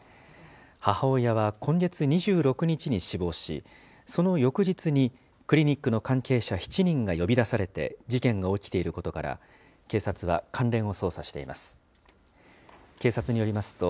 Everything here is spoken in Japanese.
母親は今月２６日に死亡し、その翌日にクリニックの関係者７人が呼び出されて事件が起きていることから、警察は関連を捜査しています。